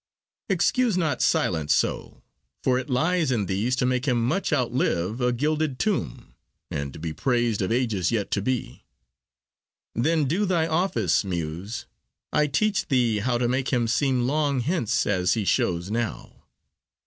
Excuse not silence so, for 't lies in thee To make him much outlive a gilded tomb And to be praised of ages yet to be. Then do thy office, Muse; I teach thee how To make him seem long hence as he shows now.